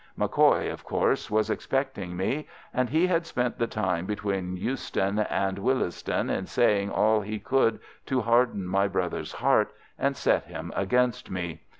MacCoy, of course, was expecting me, and he had spent the time between Euston and Willesden in saying all he could to harden my brother's heart and set him against me.